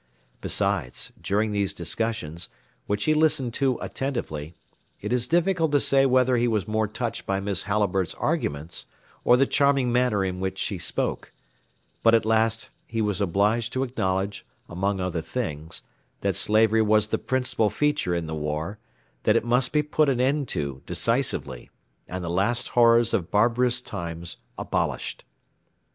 Besides, during these discussions, which he listened to attentively, it is difficult to say whether he was more touched by Miss Halliburtt's arguments or the charming manner in which she spoke; but at last he was obliged to acknowledge, among other things, that slavery was the principal feature in the war, that it must be put an end to decisively, and the last horrors of barbarous times abolished.